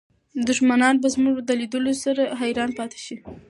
دښمنان به زموږ په لیدلو سره حیران پاتې شي.